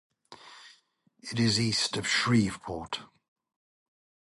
It is east of Shreveport.